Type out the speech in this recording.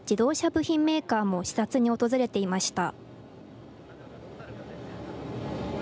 部品メーカーも視察に訪れていました。